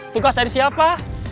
tugas dari siapa